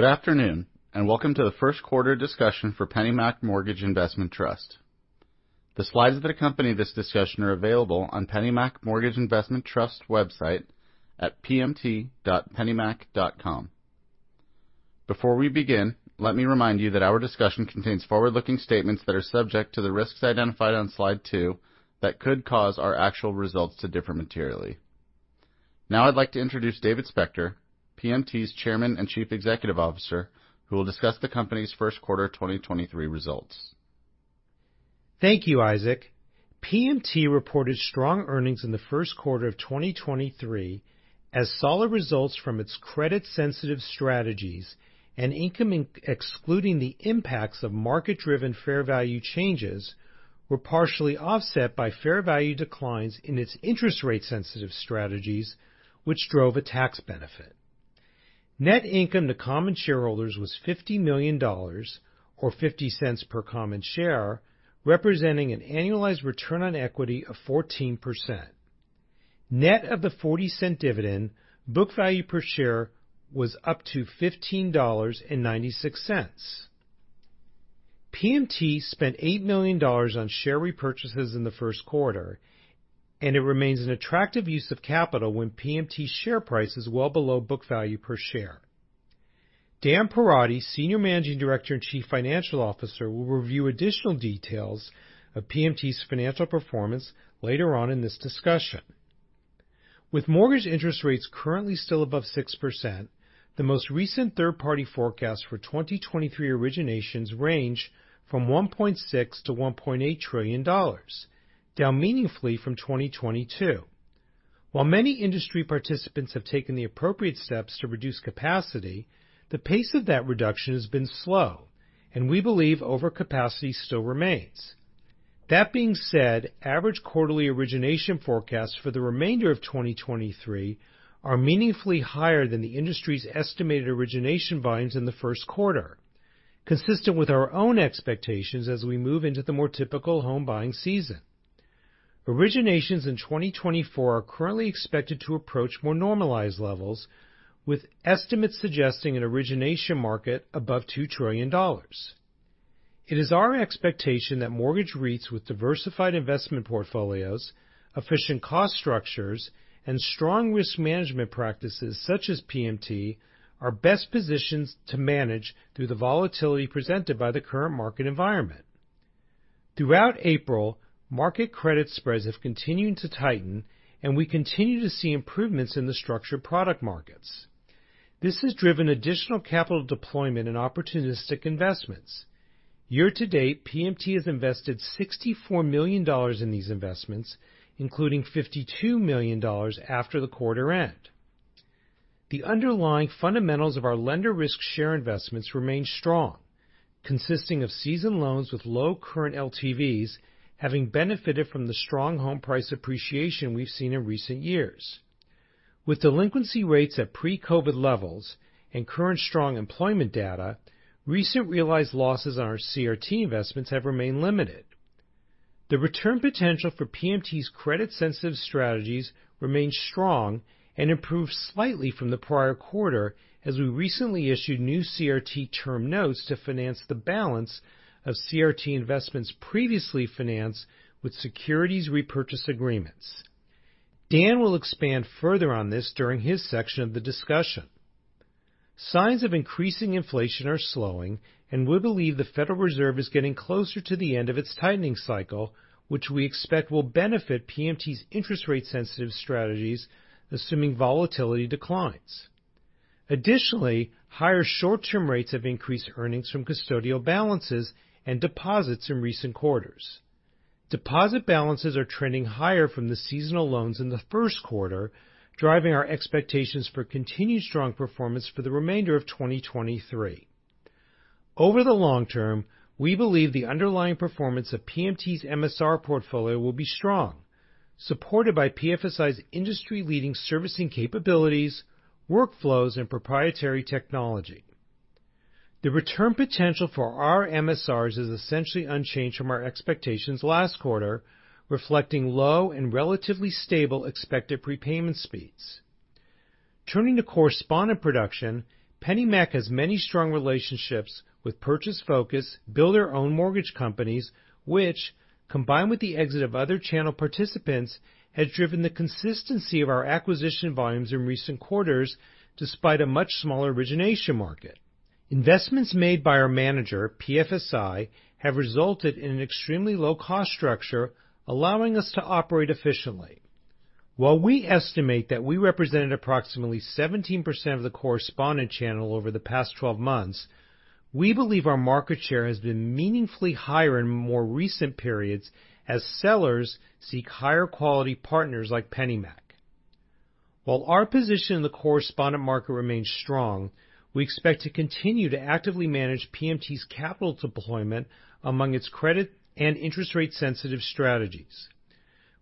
Good afternoon, and welcome to the 1st quarter discussion for PennyMac Mortgage Investment Trust. The slides that accompany this discussion are available on PennyMac Mortgage Investment Trust website at pmt.pennymac.com. Before we begin, let me remind you that our discussion contains forward-looking statements that are subject to the risks identified on slide two that could cause our actual results to differ materially. Now I'd like to introduce David Spector, PMT's Chairman and Chief Executive Officer, who will discuss the company's 1st quarter 2023 results. Thank you, Isaac. PMT reported strong earnings in the first quarter of 2023 as solid results from its credit-sensitive strategies and income excluding the impacts of market-driven fair value changes were partially offset by fair value declines in its interest rate-sensitive strategies, which drove a tax benefit. Net income to common shareholders was $50 million, or $0.50 per common share, representing an annualized return on equity of 14%. Net of the $0.40 dividend, book value per share was up to $15.66. PMT spent $8 million on share repurchases in the first quarter, and it remains an attractive use of capital when PMT's share price is well below book value per share. Dan Perotti, Senior Managing Director and Chief Financial Officer, will review additional details of PMT's financial performance later on in this discussion. With mortgage interest rates currently still above 6%, the most recent third-party forecast for 2023 originations range from $1.6 trillion-$1.8 trillion, down meaningfully from 2022. While many industry participants have taken the appropriate steps to reduce capacity, the pace of that reduction has been slow. We believe overcapacity still remains. That being said, average quarterly origination forecasts for the remainder of 2023 are meaningfully higher than the industry's estimated origination volumes in the first quarter, consistent with our own expectations as we move into the more typical home buying season. Originations in 2024 are currently expected to approach more normalized levels, with estimates suggesting an origination market above $2 trillion. It is our expectation that mortgage REITs with diversified investment portfolios, efficient cost structures, and strong risk management practices such as PMT are best positioned to manage through the volatility presented by the current market environment. Throughout April, market credit spreads have continued to tighten, and we continue to see improvements in the structured product markets. This has driven additional capital deployment and opportunistic investments. Year-to-date, PMT has invested $64 million in these investments, including $52 million after the quarter end. The underlying fundamentals of our lender risk share investments remain strong, consisting of seasoned loans with low current LTVs, having benefited from the strong home price appreciation we've seen in recent years. With delinquency rates at pre-COVID levels and current strong employment data, recent realized losses on our CRT investments have remained limited. The return potential for PMT's credit-sensitive strategies remains strong and improved slightly from the prior quarter as we recently issued new CRT term notes to finance the balance of CRT investments previously financed with securities repurchase agreements. Dan will expand further on this during his section of the discussion. We believe the Federal Reserve is getting closer to the end of its tightening cycle, which we expect will benefit PMT's interest rate-sensitive strategies, assuming volatility declines. Additionally, higher short-term rates have increased earnings from custodial balances and deposits in recent quarters. Deposit balances are trending higher from the seasonal loans in the first quarter, driving our expectations for continued strong performance for the remainder of 2023. Over the long term, we believe the underlying performance of PMT's MSR portfolio will be strong, supported by PFSI's industry-leading servicing capabilities, workflows, and proprietary technology. The return potential for our MSRs is essentially unchanged from our expectations last quarter, reflecting low and relatively stable expected prepayment speeds. Turning to correspondent production, PennyMac has many strong relationships with purchase focus, builder-owned mortgage companies which, combined with the exit of other channel participants, has driven the consistency of our acquisition volumes in recent quarters despite a much smaller origination market. Investments made by our manager, PFSI, have resulted in an extremely low cost structure, allowing us to operate efficiently. While we estimate that we represented approximately 17% of the correspondent channel over the past 12 months, we believe our market share has been meaningfully higher in more recent periods as sellers seek higher quality partners like PennyMac. While our position in the correspondent market remains strong, we expect to continue to actively manage PMT's capital deployment among its credit and interest rate-sensitive strategies.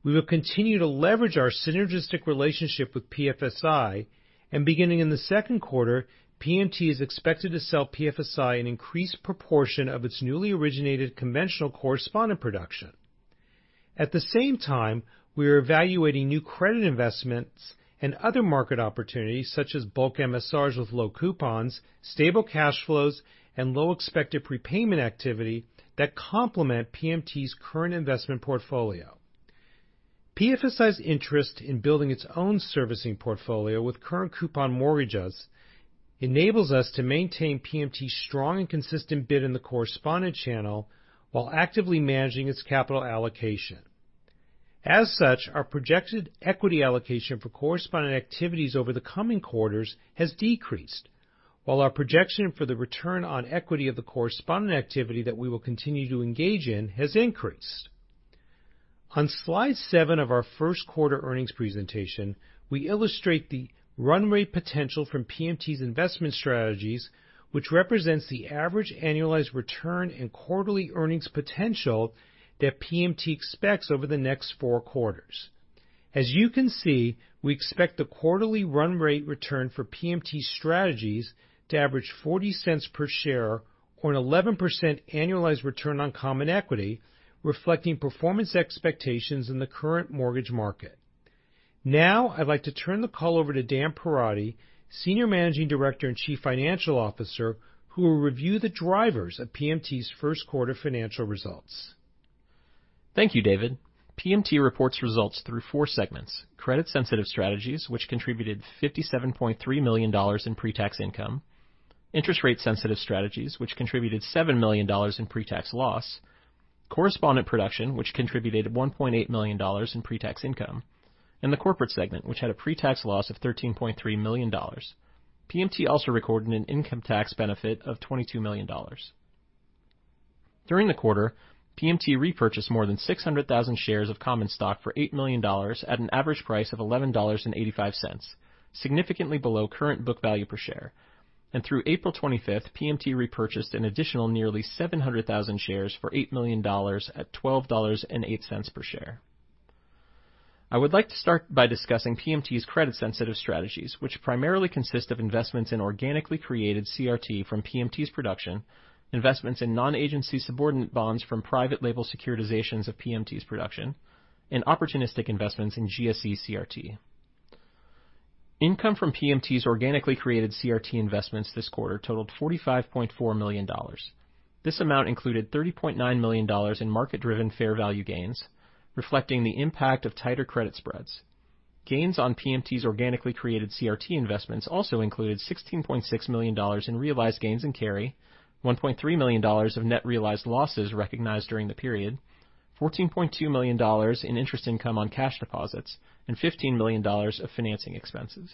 We will continue to leverage our synergistic relationship with PFSI, and beginning in the second quarter, PMT is expected to sell PFSI an increased proportion of its newly originated conventional correspondent production. At the same time, we are evaluating new credit investments and other market opportunities such as bulk MSRs with low coupons, stable cash flows, and low expected prepayment activity that complement PMT's current investment portfolio. PFSI's interest in building its own servicing portfolio with current coupon mortgages enables us to maintain PMT's strong and consistent bid in the correspondent channel while actively managing its capital allocation. As such, our projected equity allocation for correspondent activities over the coming quarters has decreased, while our projection for the return on equity of the correspondent activity that we will continue to engage in has increased. On slide seven of our first quarter earnings presentation, we illustrate the run rate potential from PMT's investment strategies, which represents the average annualized return and quarterly earnings potential that PMT expects over the next four quarters. As you can see, we expect the quarterly run rate return for PMT strategies to average $0.40 per share or an 11% annualized return on common equity, reflecting performance expectations in the current mortgage market. I'd like to turn the call over to Dan Perotti, Senior Managing Director and Chief Financial Officer, who will review the drivers of PMT's first quarter financial results. Thank you, David. PMT reports results through four segments: credit-sensitive strategies, which contributed $57.3 million in pretax income, interest rate-sensitive strategies, which contributed $7 million in pretax loss, correspondent production, which contributed $1.8 million in pretax income, and the corporate segment, which had a pretax loss of $13.3 million. PMT also recorded an income tax benefit of $22 million. During the quarter, PMT repurchased more than 600,000 shares of common stock for $8 million at an average price of $11.85, significantly below current book value per share. Through April 25th, PMT repurchased an additional nearly 700,000 shares for $8 million at $12.08 per share. I would like to start by discussing PMT's credit-sensitive strategies, which primarily consist of investments in organically created CRT from PMT's production, investments in non-agency subordinate bonds from private label securitizations of PMT's production, and opportunistic investments in GSE CRT. Income from PMT's organically created CRT investments this quarter totaled $45.4 million. This amount included $30.9 million in market-driven fair value gains, reflecting the impact of tighter credit spreads. Gains on PMT's organically created CRT investments also included $16.6 million in realized gains and carry, $1.3 million of net realized losses recognized during the period, $14.2 million in interest income on cash deposits, and $15 million of financing expenses.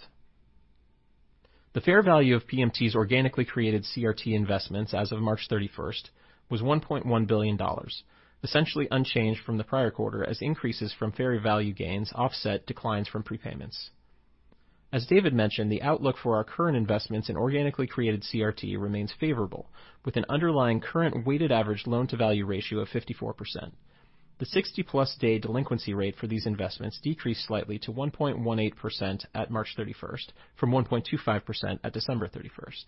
The fair value of PMT's organically created CRT investments as of March 31st was $1.1 billion, essentially unchanged from the prior quarter as increases from fair value gains offset declines from prepayments. As David mentioned, the outlook for our current investments in organically created CRT remains favorable, with an underlying current weighted average loan-to-value ratio of 54%. The 60+ day delinquency rate for these investments decreased slightly to 1.18% at March 31st from 1.25% at December 31st.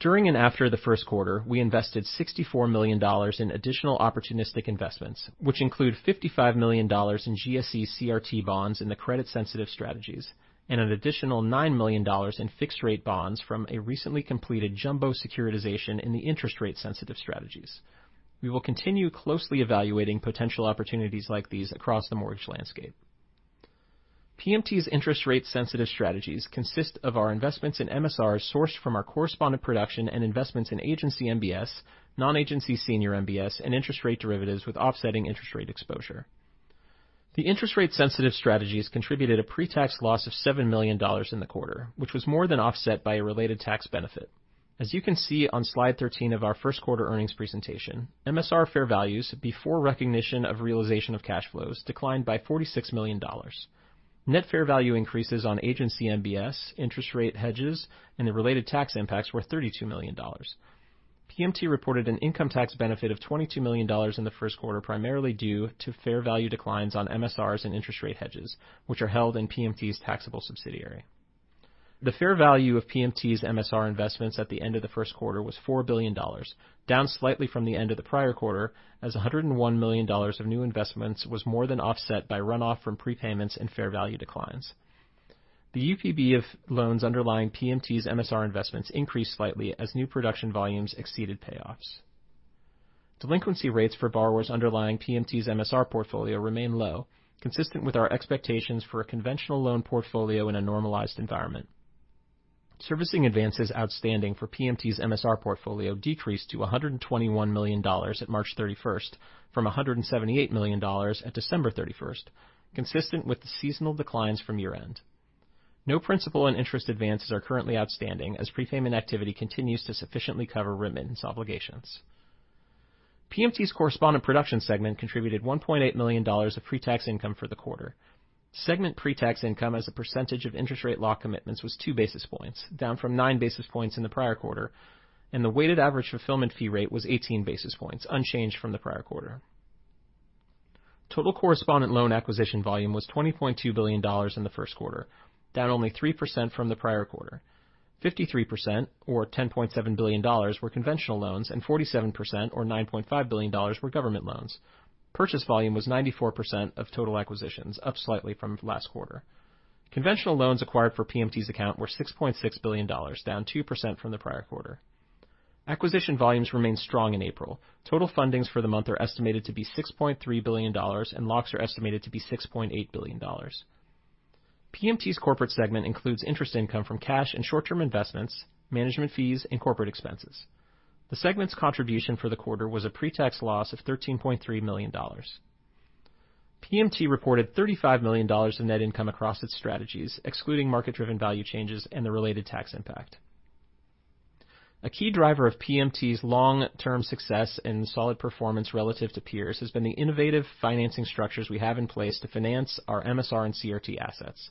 During and after the first quarter, we invested $64 million in additional opportunistic investments, which include $55 million in GSE CRT bonds in the credit-sensitive strategies and an additional $9 million in fixed-rate bonds from a recently completed jumbo securitization in the interest-rate-sensitive strategies. We will continue closely evaluating potential opportunities like these across the mortgage landscape. PMT's interest-rate-sensitive strategies consist of our investments in MSRs sourced from our correspondent production and investments in agency MBS, non-agency senior MBS, and interest rate derivatives with offsetting interest rate exposure. The interest-rate-sensitive strategies contributed a pretax loss of $7 million in the quarter, which was more than offset by a related tax benefit. As you can see on slide 13 of our first quarter earnings presentation, MSR fair values before recognition of realization of cash flows declined by $46 million. Net fair value increases on agency MBS, interest rate hedges, and the related tax impacts were $32 million. PMT reported an income tax benefit of $22 million in the first quarter, primarily due to fair value declines on MSRs and interest rate hedges, which are held in PMT's taxable subsidiary. The fair value of PMT's MSR investments at the end of the first quarter was $4 billion, down slightly from the end of the prior quarter as $101 million of new investments was more than offset by runoff from prepayments and fair value declines. The UPB of loans underlying PMT's MSR investments increased slightly as new production volumes exceeded payoffs. Delinquency rates for borrowers underlying PMT's MSR portfolio remain low, consistent with our expectations for a conventional loan portfolio in a normalized environment. Servicing advances outstanding for PMT's MSR portfolio decreased to $121 million at March 31st from $178 million at December 31st, consistent with the seasonal declines from year-end. No principal and interest advances are currently outstanding as prepayment activity continues to sufficiently cover remittance obligations. PMT's correspondent production segment contributed $1.8 million of pretax income for the quarter. Segment pretax income as a percentage of interest rate lock commitments was 2 basis points, down from 9 basis points in the prior quarter, and the weighted average fulfillment fee rate was 18 basis points, unchanged from the prior quarter. Total correspondent loan acquisition volume was $20.2 billion in the first quarter, down only 3% from the prior quarter. 53% or $10.7 billion were conventional loans, and 47% or $9.5 billion were government loans. Purchase volume was 94% of total acquisitions, up slightly from last quarter. Conventional loans acquired for PMT's account were $6.6 billion, down 2% from the prior quarter. Acquisition volumes remained strong in April. Total fundings for the month are estimated to be $6.3 billion. Locks are estimated to be $6.8 billion. PMT's corporate segment includes interest income from cash and short-term investments, management fees, and corporate expenses. The segment's contribution for the quarter was a pre-tax loss of $13.3 million. PMT reported $35 million in net income across its strategies, excluding market-driven value changes and the related tax impact. A key driver of PMT's long-term success and solid performance relative to peers has been the innovative financing structures we have in place to finance our MSR and CRT assets.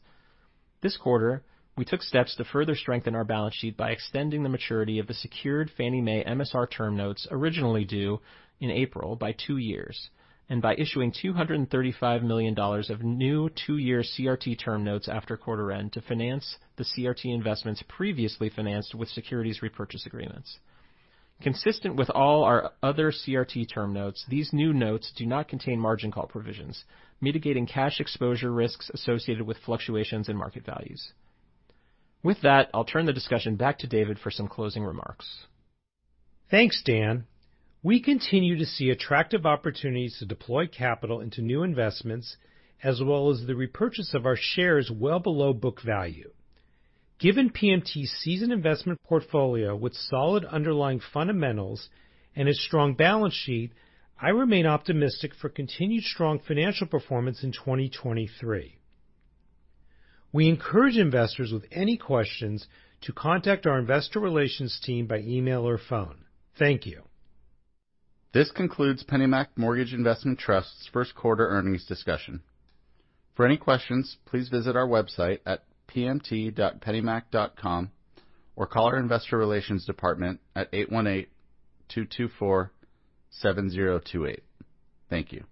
This quarter, we took steps to further strengthen our balance sheet by extending the maturity of the secured Fannie Mae MSR term notes originally due in April by two years and by issuing $235 million of new two-year CRT term notes after quarter end to finance the CRT investments previously financed with securities repurchase agreements. Consistent with all our other CRT term notes, these new notes do not contain margin call provisions, mitigating cash exposure risks associated with fluctuations in market values. With that, I'll turn the discussion back to David for some closing remarks. Thanks, Dan. We continue to see attractive opportunities to deploy capital into new investments, as well as the repurchase of our shares well below book value. Given PMT's seasoned investment portfolio with solid underlying fundamentals and a strong balance sheet, I remain optimistic for continued strong financial performance in 2023. We encourage investors with any questions to contact our investor relations team by email or phone. Thank you. This concludes PennyMac Mortgage Investment Trust's first quarter earnings discussion. For any questions, please visit our website at pmt.pennymac.com, or call our Investor Relations department at 818-224-7028. Thank you.